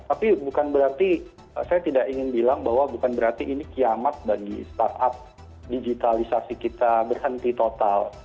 tapi bukan berarti saya tidak ingin bilang bahwa bukan berarti ini kiamat bagi startup digitalisasi kita berhenti total